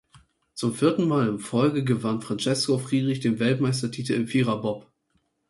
Zum vierten Mal in Folge gewann Francesco Friedrich den Weltmeistertitel im Viererbob.